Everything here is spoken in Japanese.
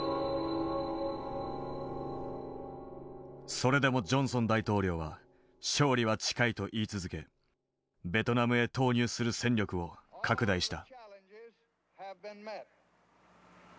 それでもジョンソン大統領は勝利は近いと言い続けベトナムへ投入する戦力を拡大した。